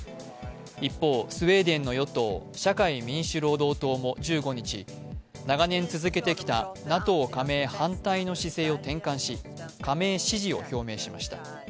一方、スウェーデンの与党、社会民主労働党も１５日、長年続けてきたＮＡＴＯ加盟反対の姿勢を転換し加盟支持を表明しました。